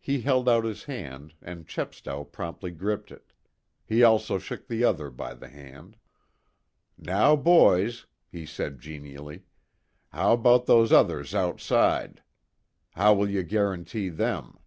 He held out his hand, and Chepstow promptly gripped it. He also shook the other by the hand. "Now, boys," he said genially, "how about those others outside? How will you guarantee them?"